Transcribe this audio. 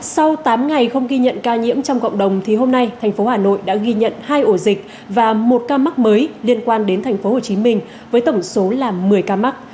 sau tám ngày không ghi nhận ca nhiễm trong cộng đồng thì hôm nay thành phố hà nội đã ghi nhận hai ổ dịch và một ca mắc mới liên quan đến thành phố hồ chí minh với tổng số là một mươi ca mắc